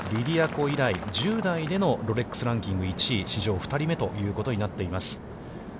コ以来１０代でのロレックス・ランキング１位、史上２人目ということになっています。